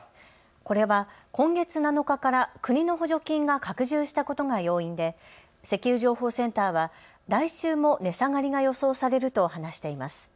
これは今月７日から国の補助金が拡充したことが要因で石油情報センターは来週も値下がりが予想されると話しています。